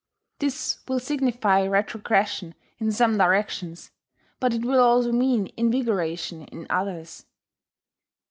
This will signify retrogression in some directions; but it will also mean invigoration in others.